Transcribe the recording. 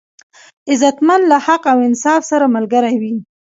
غیرتمند له حق او انصاف سره ملګری وي